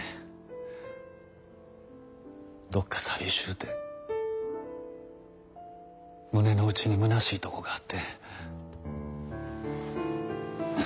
どっか寂しうて胸の内にむなしいとこがあって。